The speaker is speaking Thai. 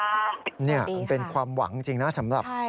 สวัสดีค่ะเนี่ยเป็นความหวังจริงนะสำหรับใช่